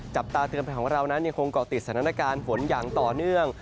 จับตาเตือนภัยของเรานั้นยังคงเกาะติดสถานการณ์ฝนอย่างต่อเนื่อง